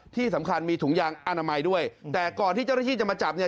ที่สำคัญมีถุงยางอนามัยด้วยแต่ก่อนที่เจ้าหน้าที่จะมาจับเนี่ย